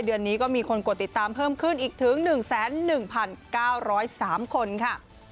เดือนนี้ก็มีคนกดติดตามเพิ่มขึ้นอีกถึงหนึ่งแสนหนึ่งพันเก้าร้อยสามคนค่ะ